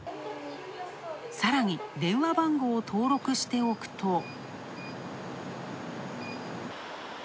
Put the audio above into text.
さらに、電話番号を登録しておくと。